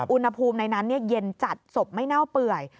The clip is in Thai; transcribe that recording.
อุณหภูมิในนั้นเย็นจัดศพไม่เน่าเปื่อย